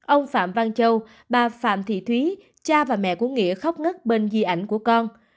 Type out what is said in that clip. ông phạm văn châu bà phạm thị thúy cha và mẹ của nghĩa khóc ngất bên di ảnh của con